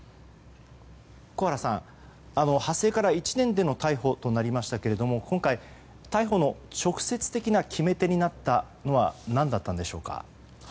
小原さん、発生から１年での逮捕となりましたが今回、逮捕の直接的な決め手になったのは何だったのでしょうか。